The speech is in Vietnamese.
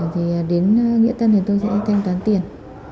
thì đến nghĩa tân thì tôi sẽ thanh toán tiền